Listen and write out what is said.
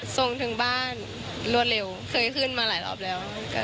ส่งถึงบ้านรวดเร็วเคยขึ้นมาหลายรอบแล้ว